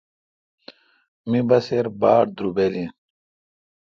می بسِر باڑدربل این۔